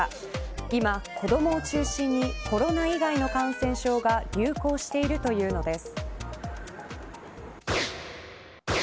今、子どもを中心にコロナ以外の感染症が流行しているというのです。